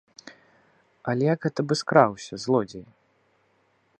Але як гэта бы скраўся, злодзей?